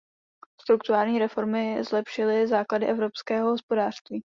Strukturální reformy zlepšily základy evropského hospodářství.